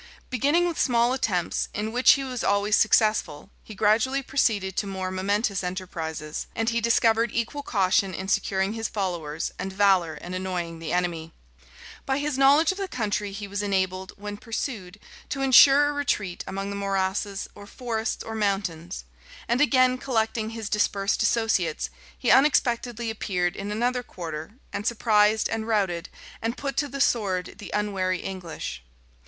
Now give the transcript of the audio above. Beginning with small attempts, in which he was always successful, he gradually proceeded to more momentous enterprises; and he discovered equal caution in securing his followers, and valor in annoying the enemy. By his knowledge of the country he was enabled, when pursued, to insure a retreat among the morasses, or forests, or mountains; and again collecting his dispersed associates, he unexpectedly appeared in another quarter, and surprised, and routed, and put to the sword the unwary English.